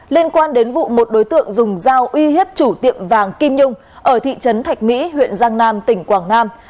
liên quan đến vụ một đối tượng dùng dao uy hiếp chủ tiệm vàng kim nhung ở thị trấn thạch mỹ huyện giang nam tỉnh quảng nam